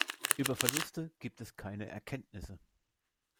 Über Verluste gibt es keine Erkenntnisse.